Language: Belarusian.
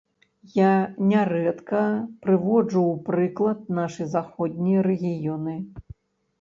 Я нярэдка прыводжу ў прыклад нашы заходнія рэгіёны.